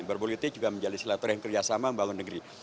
berpolitik juga menjadi selaturah yang kerjasama membangun negeri